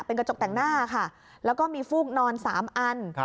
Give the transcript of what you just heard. เป็นกระจกแต่งหน้าค่ะแล้วก็มีฟูกนอน๓อัน